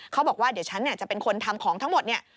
บอกว่าเดี๋ยวฉันจะเป็นคนทำของทั้งหมดเนี่ย